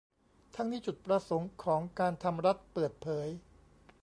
ทั้งนี้จุดประสงค์ของการทำรัฐเปิดเผย